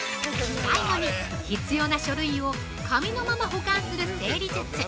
◆最後に必要な書類を紙のまま保管する整理術！